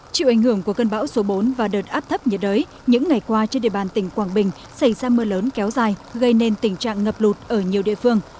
chịu ảnh hưởng của cơn bão số bốn và đợt áp thấp nhiệt đới những ngày qua trên địa bàn tỉnh quảng bình xảy ra mưa lớn kéo dài gây nên tình trạng ngập lụt ở nhiều địa phương